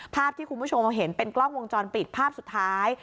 ภาพที่คุณผู้ชมเห็นเป็นกล้องวงจรปิดภาพสุดท้าย